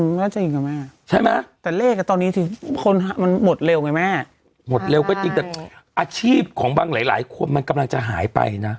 น่าจะจริงกับแม่ใช่ไหมแต่เลขอ่ะตอนนี้สิคนมันหมดเร็วไงแม่หมดเร็วก็จริงแต่อาชีพของบางหลายหลายคนมันกำลังจะหายไปนะ